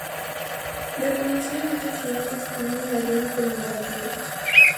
Reconocieron estos jinetes con un medallón conmemorativo.